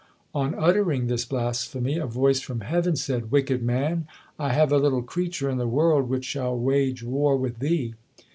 On uttering this blasphemy, a voice from heaven said, "Wicked man! I have a little creature in the world which shall wage war with thee!"